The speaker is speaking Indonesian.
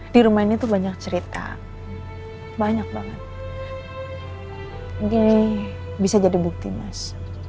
di rumah ini tuh banyak cerita banyak banget bisa jadi bukti mas